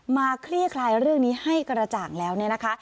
คลี่คลายเรื่องนี้ให้กระจ่างแล้วเนี่ยนะคะ